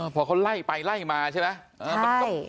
พอเขาไล่ไปไล่มาใช่ไหม